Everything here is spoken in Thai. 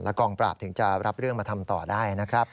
กองปราบถึงจะรับเรื่องมาทำต่อได้นะครับ